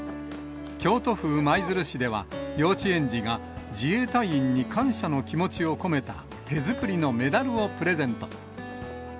京都府舞鶴市では、幼稚園児が自衛隊員に感謝の気持ちを込めた手作りのメダルをプレゼント。